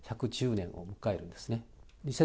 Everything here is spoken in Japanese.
１１０年を迎えるんですね。